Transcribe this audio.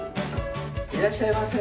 いらっしゃいませ。